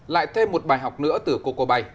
lại thêm một bài học nữa từ coco bay